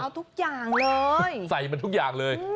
เอาทุกอย่างเลยใส่มันทุกอย่างเลย